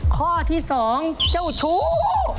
ข้อที่๒เจ้าชู้